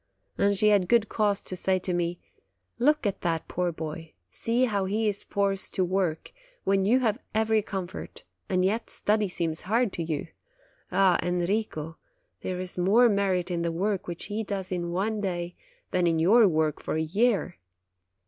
And she had good cause to say to me : "Look at that poor boy ; see how he is forced to work, when you have every comfort, and yet study seems hard to you! Ah, Enrico, there is more merit in the work which he does in one day, than in your work for a year.